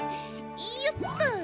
よっと！